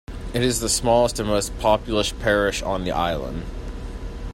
It is the smallest and most populous parish on the island.